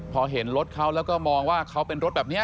พอเห็นรถเขาแล้วก็มองว่าเขาเป็นรถแบบนี้